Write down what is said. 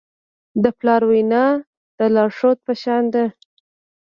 د پلار وینا د لارښود په شان ده.